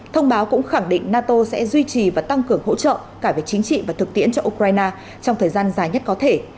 thông báo cũng khẳng định nato sẽ duy trì và tăng cường hỗ trợ cả về chính trị và thực tiễn cho ukraine trong thời gian dài nhất có thể